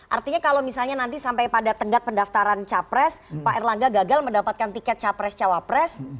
artinya kalau misalnya nanti sampai pada tenggat pendaftaran capres pak erlangga gagal mendapatkan tiket capres cawapres